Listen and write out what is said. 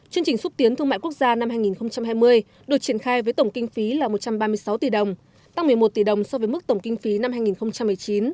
chương trình xúc tiến thương mại quốc gia năm hai nghìn hai mươi được triển khai với tổng kinh phí là một trăm ba mươi sáu tỷ đồng tăng một mươi một tỷ đồng so với mức tổng kinh phí năm hai nghìn một mươi chín